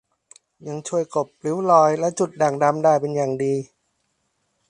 ยังช่วยกลบริ้วรอย และจุดด่างดำได้เป็นอย่างดี